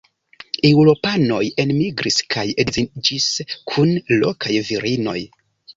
Eŭropanoj enmigris kaj edziĝis kun lokaj virinoj.